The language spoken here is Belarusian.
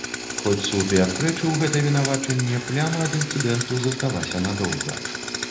Хоць суд і адпрэчыў гэта вінавачанне, пляма ад інцыдэнту засталася надоўга.